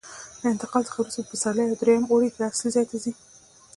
له انتقال څخه وروسته په پسرلي او درېیم اوړي کې اصلي ځای ته ځي.